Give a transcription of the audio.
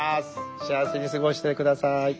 幸せに過ごして下さい。